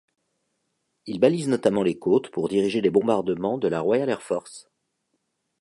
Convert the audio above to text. Ils balisent notamment les côtes pour diriger les bombardements de la Royal Air Force.